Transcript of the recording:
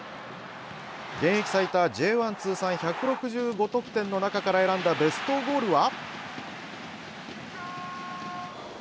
現役最多、Ｊ１通算１６５得点の中から選んだベストゴールは？